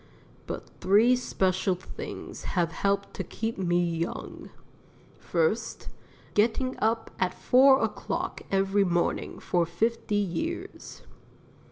But three special things have helped to keep me young: First Getting up at 4 o'clock every morning for fifty years.